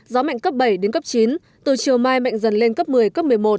gió mạnh cấp bảy đến cấp chín từ chiều mai mạnh dần lên cấp một mươi cấp một mươi một